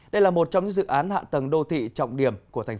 đây là một trong những dự án hạ tầng đô thị trọng điểm của tp